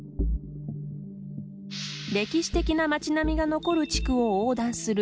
歴史的な町並みが残る地区を横断する